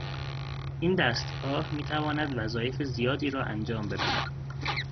این دستگاه میتواند وظایف زیادی را انجام بدهد.